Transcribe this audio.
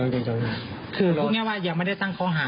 ก็คือกฝึงแน่ว่ายังไม่ได้สร้างโคะหา